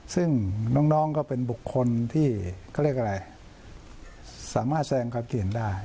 ซึ่งน้องก็เป็นบุคคลที่สามารถแสดงความคิดเห็นได้